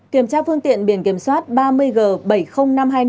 kiểm tra phương tiện biển kiểm soát ba mươi g bảy mươi nghìn năm trăm hai mươi năm